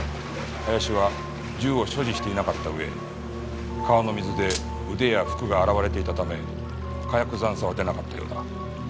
林は銃を所持していなかった上川の水で腕や服が洗われていたため火薬残渣は出なかったようだ。